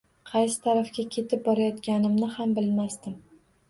Qaysi tarafga ketib borayotganimni ham bilmasdim